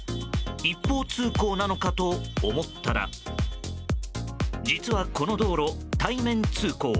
一方通行なのかと思ったら実はこの道路、対面通行。